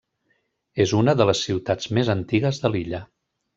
És una de les ciutats més antigues de l'illa.